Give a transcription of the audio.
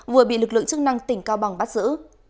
vừa bị lực lượng chức năng tỉnh cao bằng bắt giữ